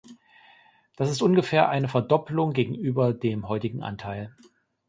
Das ist ungefähr eine Verdoppelung gegenüber dem heutigen Anteil.